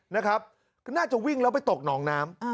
นะครับก็น่าจะวิ่งแล้วไปตกหนองน้ำ